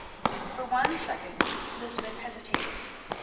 For one second Lysbeth hesitated.